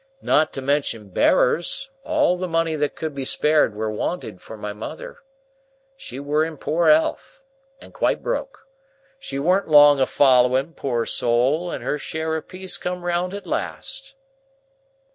Not to mention bearers, all the money that could be spared were wanted for my mother. She were in poor elth, and quite broke. She weren't long of following, poor soul, and her share of peace come round at last."